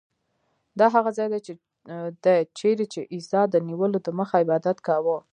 دا هغه ځای دی چیرې چې عیسی د نیولو دمخه عبادت کاوه.